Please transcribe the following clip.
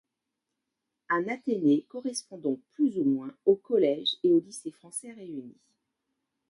Un athénée correspond donc plus ou moins au collège et au lycée français réunis.